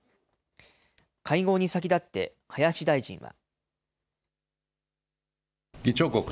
会合に先立って林大臣は。